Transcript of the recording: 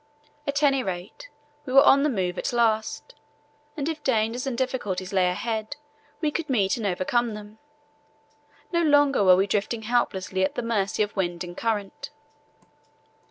At any rate, we were on the move at last, and if dangers and difficulties lay ahead we could meet and overcome them. No longer were we drifting helplessly at the mercy of wind and current.